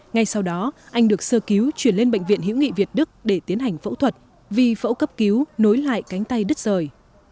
ngay sau đó anh được sơ cứu chuyển lên bệnh viện hiễu nghị việt đức để tiến hành phẫu thuật vi phẫu cấp cứu nối lại cánh tay đứt rời